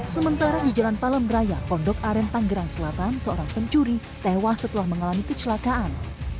sementara di jalan palem raya pondok aren tanggerang selatan seorang pencuri tewas setelah mengalami kecelakaan